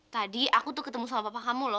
tadi aku tuh ketemu sama papa kamu loh